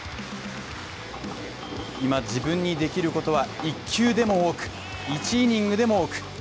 今、自分にできることは１球でも多く、１イニングでも多く。